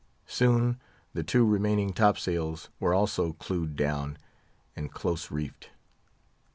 Soon, the two remaining top sails were also clewed down and close reefed.